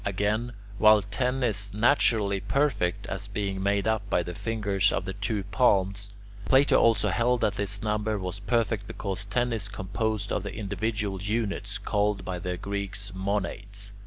Again, while ten is naturally perfect, as being made up by the fingers of the two palms, Plato also held that this number was perfect because ten is composed of the individual units, called by the Greeks [Greek: monades].